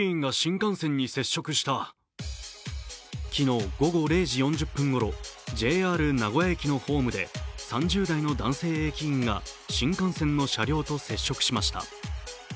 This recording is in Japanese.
昨日午後０時４０分ごろ、ＪＲ名古屋駅のホームで、３０代の男性駅員が新幹線の車両と接触しました。